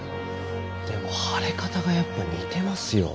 でも腫れ方がやっぱ似てますよ。